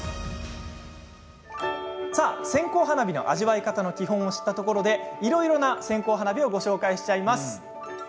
さあ、線香花火の味わい方の基本を知ったところでいろいろな線香花火をご紹介しちゃいましょう。